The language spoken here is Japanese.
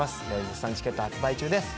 絶賛チケット発売中です